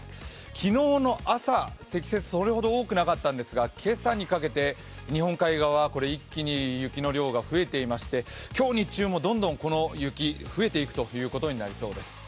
昨日の朝、積雪、それほど多くなかったんですが今朝にかけて、日本海側一気に雪の量が増えていまして今日日中もどんどんこの雪増えていくことになりそうです。